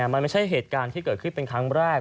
มันไม่ใช่เหตุการณ์ที่เกิดขึ้นเป็นครั้งแรก